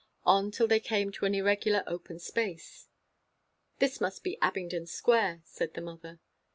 On till they came to an irregular open space. "This must be Abingdon Square," said the mother.